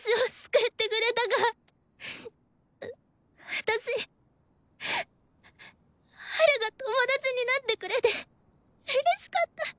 私ハルが友達になってくれてうれしかった。